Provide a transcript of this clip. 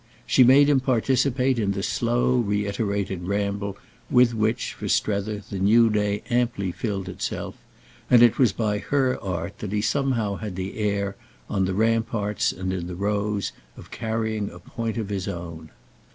She made him participate in the slow reiterated ramble with which, for Strether, the new day amply filled itself; and it was by her art that he somehow had the air, on the ramparts and in the Rows, of carrying a point of his own.